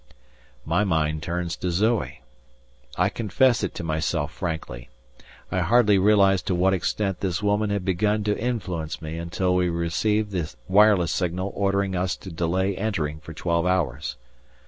My mind turns to Zoe. I confess it to myself frankly. I hardly realized to what extent this woman had begun to influence me until we received the wireless signal ordering us to delay entering for twelve hours.